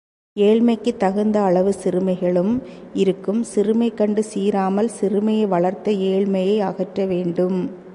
ஏழ்மைக்குத் தகுந்த அளவு சிறுமைகளும் இருக்கும், சிறுமை கண்டு சீறாமல் சிறுமையை வளர்த்த ஏழ்மையை அகற்றவேண்டும்.